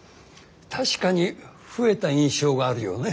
確かに増えた印象があるよね。